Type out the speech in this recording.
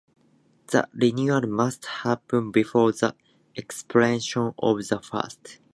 The renewal must happen before the expiration of the first.